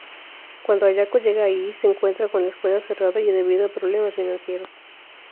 Cuando Ayako llega allí, se encuentra con la escuela cerrada debido a problemas financieros.